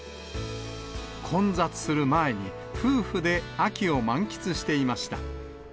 混雑する前に、夫婦で秋を満喫していました。